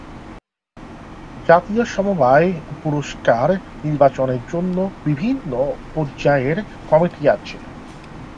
জাতীয় সমবায় পুরস্কার নির্বাচনের জন্য বিভিন্ন পর্যায়ের কমিটি আছে।